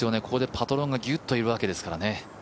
ここでパトロンがぎゅっといるわけですからね。